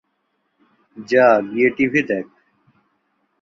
যা গিয়ে টিভি দেখ।